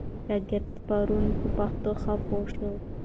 شاګرد پرون په پښتو ښه پوه سو.